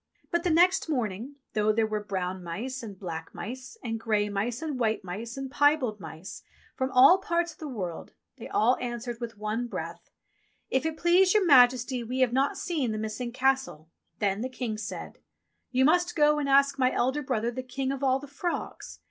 But the next morning, though there were brown mice, and black mice, and grey mice, and white mice, and piebald mice, from all parts of the world, they all answered with one breath : "If it please your Majesty, we have not seen the missing Castle." Then the King said, "You must go and ask my elder brother the King of all the Frogs.